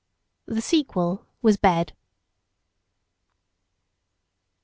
The sequel was bed.